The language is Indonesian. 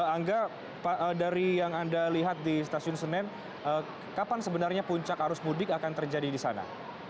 angga dari yang anda lihat di stasiun senen kapan sebenarnya puncak arus mudik akan terjadi di sana